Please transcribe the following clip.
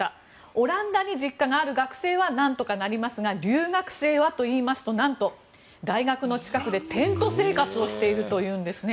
オランダに実家がある学生は何とかなりますが留学生はといいますと何と大学の近くでテント生活をしているというんですね。